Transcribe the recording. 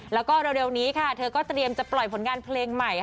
แล้วก็เร็วนี้ค่ะเธอก็เตรียมจะปล่อยผลงานเพลงใหม่